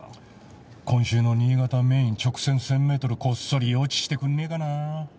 今週の新潟メイン直線１０００メートルこっそり予知してくんねえかなあ。